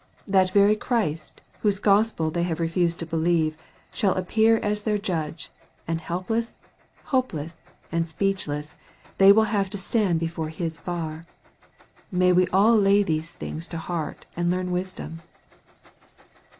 That very Christ, whose Gospel they have refused to believe, shall appear as their Judge, and helpless, hopeless, and speechless, they will have to stand before His bar. May we all lay these things to heart, and learn wisdom